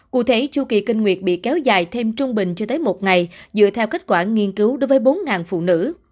cụ thể chu kỳ kinh nguyệt bị kéo dài thêm trung bình chưa tới một ngày dựa theo kết quả nghiên cứu đối với bốn phụ nữ